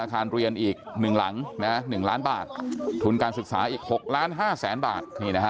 อาคารเรียนอีก๑หลัง๑ล้านบาททุนการศึกษาอีก๖ล้าน๕แสนบาท